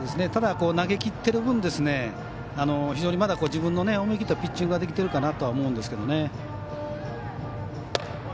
ただ投げきってる分非常にまだ自分の思い切ったピッチングができてるかなとは思うんですけど。